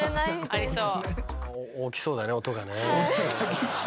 ありそう。